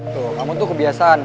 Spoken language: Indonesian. tuh kamu tuh kebiasaan